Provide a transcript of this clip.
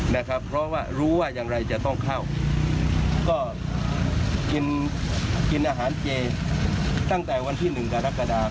นะครับเพราะว่ารู้ว่าอย่างไรจะต้องเข้าก็กินกินอาหารเจตั้งแต่วันที่หนึ่งกรกฎา